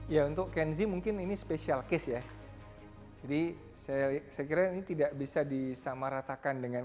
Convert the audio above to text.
ya untuk kenzi mungkin ini spesial case ya jadi saya kira ini tidak bisa disamaratakan dengan